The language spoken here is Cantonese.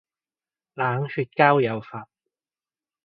冷血交友法